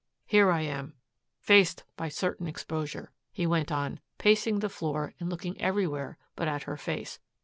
Here I am, faced by certain exposure," he went on, pacing the floor and looking everywhere but at her face.